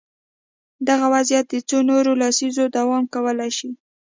دغه وضعیت د څو نورو لسیزو دوام کولای شي.